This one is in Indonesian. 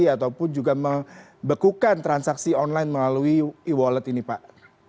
ataupun juga membekukan transaksi online melalui e wallet ini pak